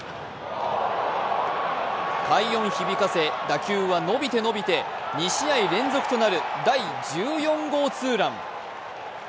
快音響かせ打球は伸びて伸びて２試合連続となる第１４号ツーラン。